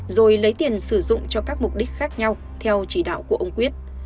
rồi lấy tiền sử dụng cho các mục đích khác nhau theo chỉ đạo của ông quyết